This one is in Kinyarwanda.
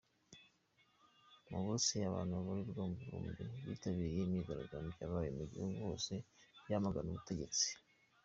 Mu Burusiya abantu babarirwa mu bihumbi bitabiriye imyigaragambyo yabaye mu gihugu hose yamagana ubutegetsi.